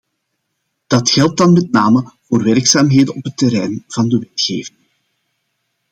Dat geldt dan met name voor werkzaamheden op het terrein van de wetgeving.